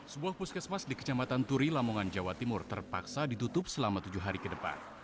sebuah puskesmas di kecamatan turi lamongan jawa timur terpaksa ditutup selama tujuh hari ke depan